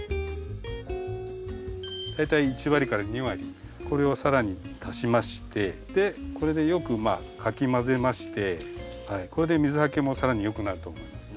大体１割２割これを更に足しましてこれでよくかき混ぜましてこれで水はけも更によくなると思います。